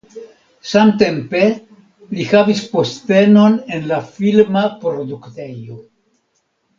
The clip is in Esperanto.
Samtempe li havis postenon en la filma produktejo.